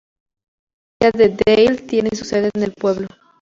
La iglesia de Dale tiene su sede en el pueblo.